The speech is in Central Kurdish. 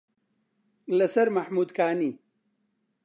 لە سەر مەحموودکانی